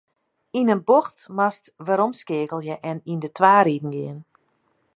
Yn in bocht moatst weromskeakelje en yn de twa riden gean.